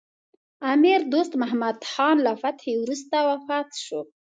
امیر دوست محمد خان له فتحې وروسته وفات شو.